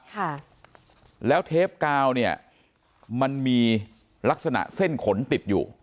ค่ะแล้วเทปกาวเนี่ยมันมีลักษณะเส้นขนติดอยู่